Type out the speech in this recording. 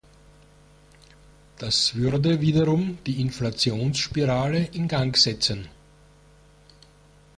Das würde wiederum die Inflationsspirale in Gang setzen.